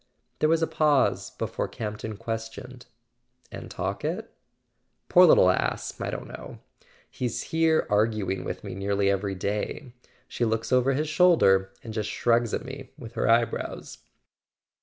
There was a pause before Campton questioned: "And Talkett ?" "Poor little ass—I don't know. He's here arguing with me nearly every day. She looks over his shoulder, and just shrugs at me with her eyebrows."